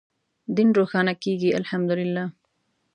دین روښانه کېږي الحمد لله.